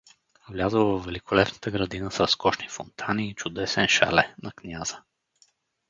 Влязъл във великолепната градина с разкошни фонтани и чудесен шале` на княза.